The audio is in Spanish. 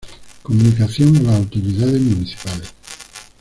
Comunicación a las autoridades municipales.